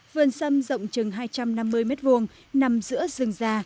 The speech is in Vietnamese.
vườn sâm rộng chừng hai trăm năm mươi mét vuông nằm giữa rừng già